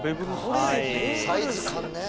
サイズ感ね。